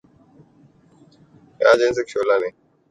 یہاں جنس اک شعلہ نہیں، جنس کی آنچ کافی ہے